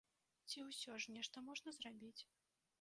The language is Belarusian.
Ці ўсё ж нешта можна зрабіць?